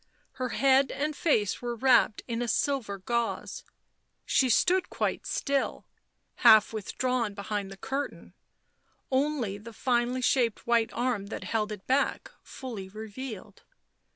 Her head and face were wrapped in a silver gauze. She stood quite still, half withdrawn behind the curtain, only the finely shaped white arm that held it back fully revealed.